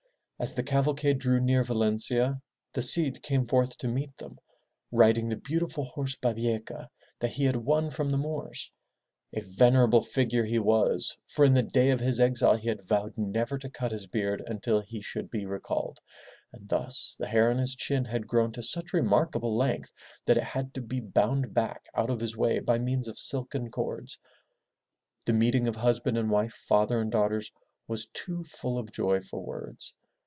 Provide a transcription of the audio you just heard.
As the cavalcade drew near Valencia, the Cid came forth to meet them riding the beautiful horse Ba bi e'ca that he had won from the Moors. A venerable figure he was, for in the day of his exile he had vowed never to cut his beard until he should be recalled, and thus the hair on his chin had grown to such remarkable length that it had to be bound back out of his way by means of silken cords. The meeting of husband and wife, father and daughters was too full of joy for words.